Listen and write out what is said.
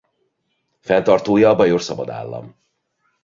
Fenntartója a Bajor Szabadállam.